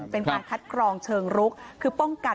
เป็นการคัดกรองเชิงรุกคือป้องกัน